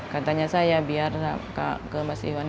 katanya saya biar ke mas iwan